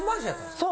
そう。